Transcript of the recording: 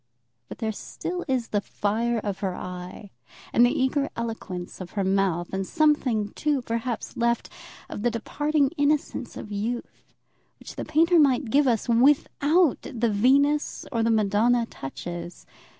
But there still is the fire of her eye, and the eager eloquence of her mouth, and something, too, perhaps, left of the departing innocence of youth, which the painter might give us without the Venus or the Madonna touches.